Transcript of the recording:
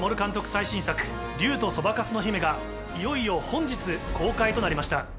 最新作『竜とそばかすの姫』がいよいよ本日公開となりました。